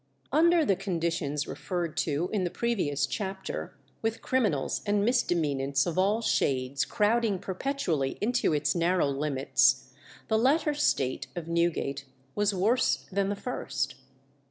Under the conditions referred to in the previous chapter, with criminals and misdemeanants of all shades crowding perpetually into its narrow limits, the latter state of Newgate was worse than the first.